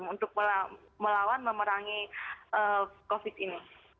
untuk melawan dan memerangi covid sembilan belas ini